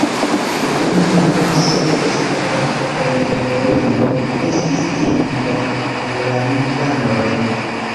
La unua kurso de Esperanto en Duolingo estis tiu por anglalingvanoj.